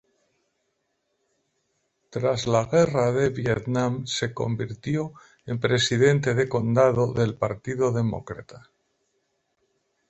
Tras la guerra de Vietnam, se convirtió en presidente de condado del Partido Demócrata.